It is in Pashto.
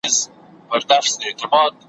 ما، پنځه اویا کلن بوډا ,